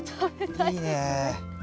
いいねぇ。